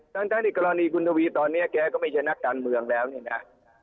ทั้งในกรณีคุณทวีตอนนี้แกก็ไม่ใช่นักการเมืองแล้วเนี่ยนะ